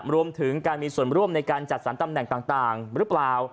รวมถึงการมีส่วนร่วมในการจัดสรรตำแหน่งต่างหรือเปล่า